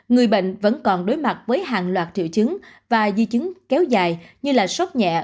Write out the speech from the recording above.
người bệnh vẫn còn đối mặt với hàng loạt triệu chứng và di chứng kéo dài như là sốc nhẹ